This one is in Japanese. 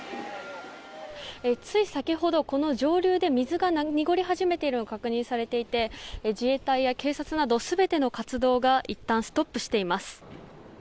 つい先ほど、この上流で水が濁り始めているのが確認されていて自衛隊や警察など全ての活動がいったんストップしています。